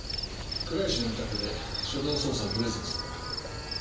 倉石の見立てで初動捜査をブレずにすんだ。